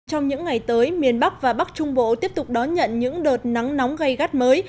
trong những ngày tới miền bắc và bắc trung bộ tiếp tục đón nhận những đợt nắng nóng gây gắt mới